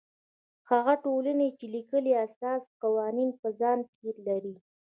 هغه ټولنې چې لیکلي اساسي قوانین په ځان کې لري.